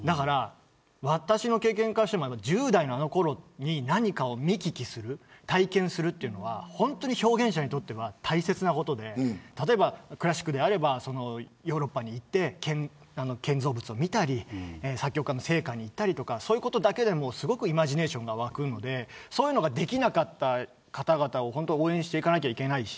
私の経験からしても１０代のあのころに何かを見聞きする、体験するというのは本当に表現者にとっては大切なことで例えば、クラシックであればヨーロッパに行って建造物を見たり作曲家の生家に行ったりそういうことだけでもイマジネーションが湧くのでそういうのができなかった方々を応援しなければいけない。